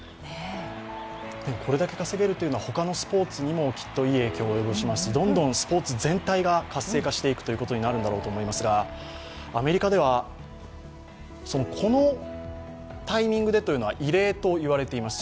これだけ稼げるというのは他のスポーツにもきっといい影響を及ぼしますしどんどんスポーツ全体が活性化していくということになるんだと思いますがアメリカでは、このタイミングでというのは異例と言われています。